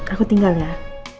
aku tinggal ya